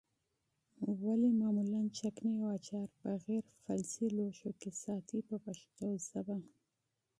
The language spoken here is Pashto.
ولې معمولا چکني او اچار په غیر فلزي لوښو کې ساتي په پښتو ژبه.